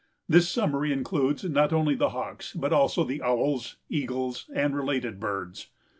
This summary includes not only the Hawks but also the owls, eagles and related birds.